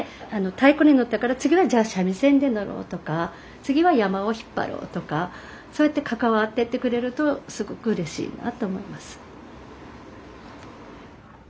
太鼓にのったから次はじゃあ三味線でのろうとか次は山車を引っ張ろうとかそうやって関わってってくれるとすごくうれしいなあと思います。